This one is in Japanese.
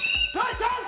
チャンス！